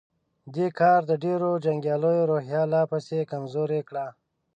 دې کار د ډېرو جنګياليو روحيه لا پسې کمزورې کړه.